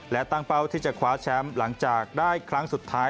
และตั้งเป้าที่จะคว้าแชมป์หลังจากได้ครั้งสุดท้าย